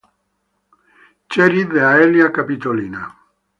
Obispos de Aelia Capitolina.